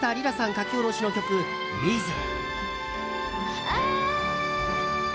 書き下ろしの曲「ｗｉｔｈ」。